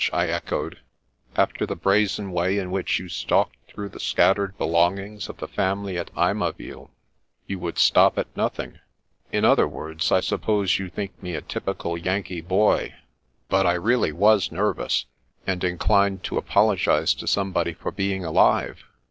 " I echoed. " After the brazen way in which you stalked through the scattered belong ings of the family at A)rmaville, you would stop at nothing." " In other words, I suppose you think me a typi cal Yankee boy? But I really was nervous, and inclined to apologise to somebody for being alive.